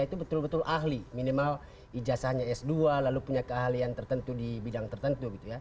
itu betul betul ahli minimal ijazahnya s dua lalu punya keahlian tertentu di bidang tertentu gitu ya